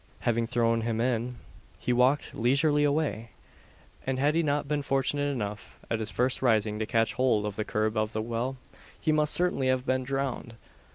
Having thrown him in, he walked leisurely away, and had he not been fortunate enough at his first rising to catch hold of the curb of the well, he must certainly have been drowned.